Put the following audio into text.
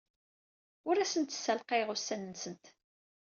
Ur asent-ssalqayeɣ unan-nsent.